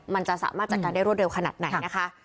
มันจะสามารถจัดการได้รวดเร็วขนาดไหนนะคะ